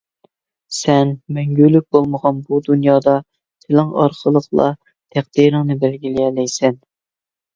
سەن مەڭگۈلۈك بولمىغان بۇ دۇنيادا تىلىڭ ئارقىلىقلا تەقدىرىڭنى بەلگىلىيەلەيسەن.